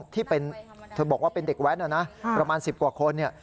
ที่เธอบอกว่าเป็นเด็กแว้นนะนะประมาณ๑๐กว่าคน